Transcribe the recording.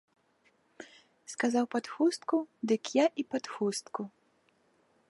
Сказаў пад хустку, дык я і пад хустку.